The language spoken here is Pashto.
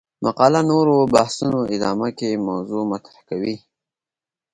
مقاله نورو بحثونو ادامه کې موضوع مطرح کوي.